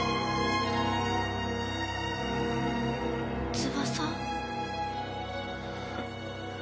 翼？